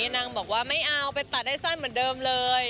นางบอกว่าไม่เอาไปตัดให้สั้นเหมือนเดิมเลย